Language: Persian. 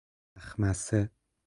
مخمصه